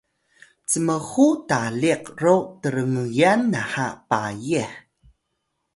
cmxu taliq ro trngyan naha payih